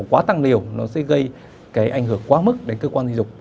quá tăng liều nó sẽ gây cái ảnh hưởng quá mức đến cơ quan sử dụng